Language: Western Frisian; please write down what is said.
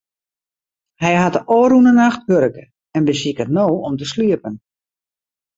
Hy hat de ôfrûne nacht wurke en besiket no om te sliepen.